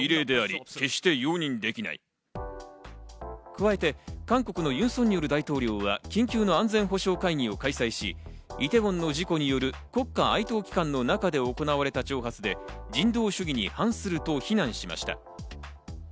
加えて韓国のユン・ソンニョル大統領は緊急の安全保障会議を開催し、イテウォンの事故による国家哀悼期間の中で行われた挑発で、人道主義に反すると批判しました。